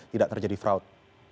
tidak terjadi fraud